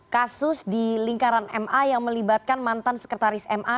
kasus di lingkaran ma yang melibatkan mantan sekretaris ma